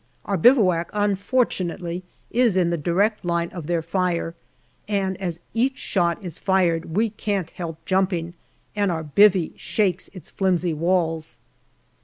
Our bivouac, unfortunately, is in the direct line of their fire, and as each shot is fired we can't help jumping, and our " bivvy " shakes its flimsy walls.